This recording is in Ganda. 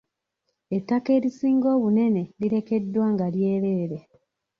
Ettaka erisinga obunene lirekeddwa nga lyereere.